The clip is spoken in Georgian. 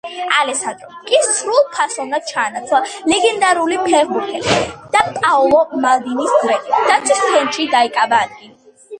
ალესანდრომ კი სრულფასოვნად ჩაანაცვლა ლეგენდარული ფეხბურთელი და პაოლო მალდინის გვერდით დაცვის ცენტრში დაიკავა ადგილი.